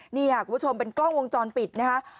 นี่ค่ะคุณผู้ชมเป็นกล้องวงจรปิดนะคะ